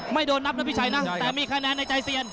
โดนนับนะพี่ชัยนะแต่มีคะแนนในใจเซียน